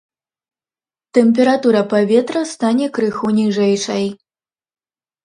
Тэмпература паветра стане крыху ніжэйшай.